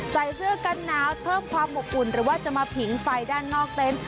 ใส่เสื้อกันหนาวเพิ่มความอบอุ่นหรือว่าจะมาผิงไฟด้านนอกเต็นต์